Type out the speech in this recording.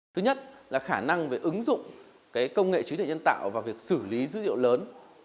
thứ nhất là khả năng về ứng dụng công nghệ trí tuệ nhân tạo vào việc xử lý dữ liệu lớn